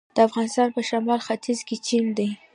د افغانستان په شمال ختیځ کې چین دی